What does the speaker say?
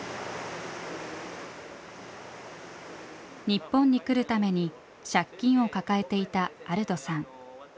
日本に来るために借金を抱えていたアルドさん。